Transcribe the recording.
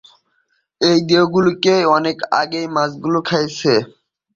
এই দেহগুলো অনেক আগেই মাছগুলোকে খাইয়েছে।